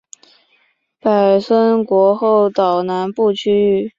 泊村国后岛南部区域。